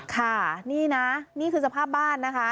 ค่ะนี่นะนี่คือสภาพบ้านนะคะ